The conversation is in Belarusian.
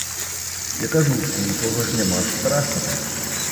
Я кажу, што нічога ж няма страшнага.